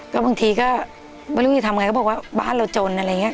ก็บางทีก็ไม่รู้จะทำไงก็บอกว่าบ้านเราจนอะไรอย่างนี้